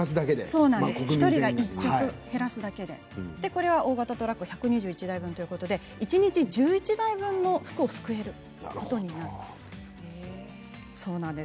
１人１着減らすだけで大型トラック１２１台分ということで一日１１台分の服を救えるということになります。